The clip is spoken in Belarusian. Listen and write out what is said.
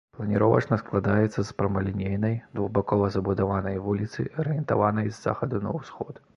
Планіровачна складаецца з прамалінейнай, двухбакова забудаванай вуліцы, арыентаванай з захаду на ўсход.